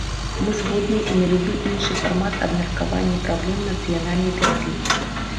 Мы згодныя і на любы іншы фармат абмеркавання праблем нацыянальнай бяспекі.